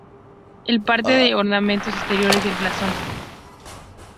Es parte de los ornamentos exteriores del blasón.